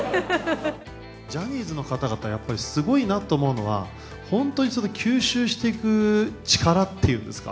ジャニーズの方々、やっぱりすごいなと思うのは、本当にその吸収していく力っていうんですか、